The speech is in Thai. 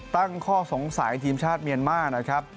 ตั้งข้อสงสัยทีมชาติเมียนม่า